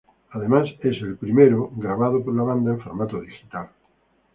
Es además el primero grabado por la banda en formato digital.